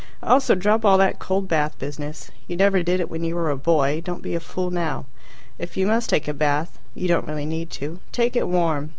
Also, drop all that cold bath business. You never did it when you were a boy. Don't be a fool now. If you must take a bath (you don't really need to), take it warm.